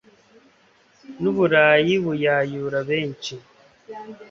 n'uburayi buyayura benshi